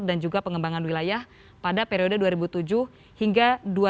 dan juga pengembangan wilayah pada periode dua ribu tujuh hingga dua ribu sepuluh